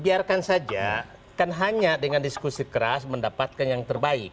biarkan saja kan hanya dengan diskusi keras mendapatkan yang terbaik